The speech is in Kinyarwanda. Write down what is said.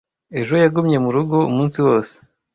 Ejo yagumye murugo umunsi wose.